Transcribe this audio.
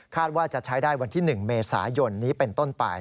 ว่าจะใช้ได้วันที่๑เมษายนนี้เป็นต้นไป